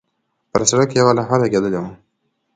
پر سړک یوه لوحه لګېدلې وه.